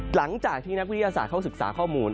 หลังจากที่นักวิทยาศาสตร์เข้าศึกษาข้อมูล